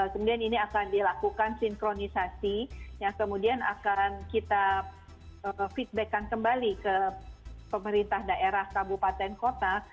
kemudian ini akan dilakukan sinkronisasi yang kemudian akan kita feedback kan kembali ke pemerintah daerah kabupaten kota